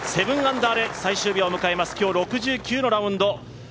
７アンダーで最終日を迎えます、今日、６９のラウンド。